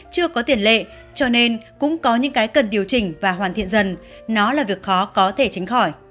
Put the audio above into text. chưa có tiền lệ cho nên cũng có những cái cần điều chỉnh và hoàn thiện dần nó là việc khó có thể tránh khỏi